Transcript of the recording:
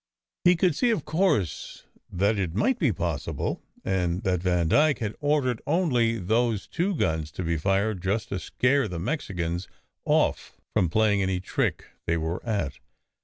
He could see, of course, that it might be possible, and that Vandyke had ordered only those two guns to be fired just to scare the Mexicans off from playing any trick they were at.